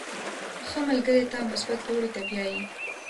• ښه ملګری تا مثبت لوري ته بیایي.